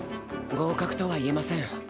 合格とは言えません。